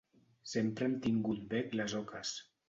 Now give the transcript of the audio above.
Sempre han tingut bec les oques.